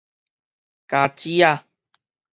加薦仔